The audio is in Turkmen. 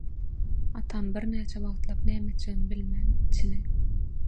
Atam birnäçe wagtlap näme etjegini bilmän, içini